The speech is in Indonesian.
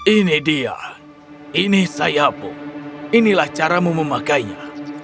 ini dia ini sayapmu inilah caramu memakainya